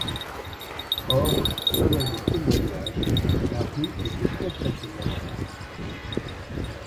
Or, selon des témoignages la rue était complètement calme.